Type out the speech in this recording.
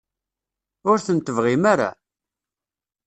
Ur ten-tebɣim ara?